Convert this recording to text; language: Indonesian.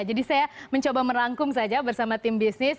jadi saya mencoba merangkum saja bersama tim bisnis